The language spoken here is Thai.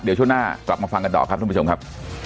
เดี๋ยวช่วงหน้ากลับมาฟังกันต่อครับท่านผู้ชมครับ